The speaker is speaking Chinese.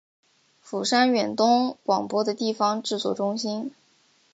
釜山远东广播的地方制作中心。